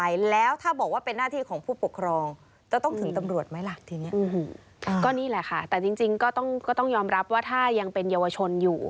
อยู่นอกโรงเรียนด้วย